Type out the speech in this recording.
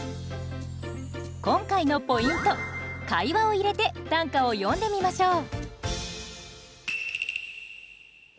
今回のポイント会話を入れて短歌を詠んでみましょう。